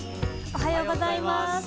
おはようございます。